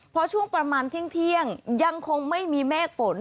พอช่วงประมาณเที่ยงยังคงไม่มีเมฆฝน